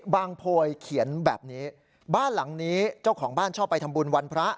โพยเขียนแบบนี้บ้านหลังนี้เจ้าของบ้านชอบไปทำบุญวันพระ